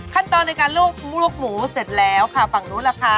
ขั้นตอนในการลวกหมูเสร็จแล้วค่ะฝั่งนู้นล่ะค่ะ